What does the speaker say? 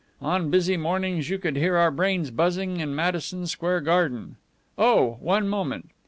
"On busy mornings you could hear our brains buzzing in Madison Square Garden. Oh, one moment."